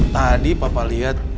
tadi papa lihat